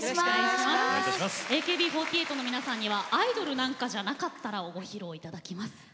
ＡＫＢ４８の皆さんには「アイドルなんかじゃなかったら」をご披露いただきます。